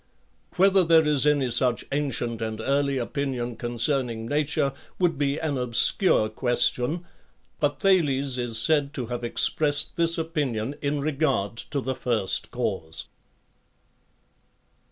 Whether there is any such ancient and early opinion concerning nature would be an obscure ques tion; but Thales is said to have expressed this opinion in regard to the first cause.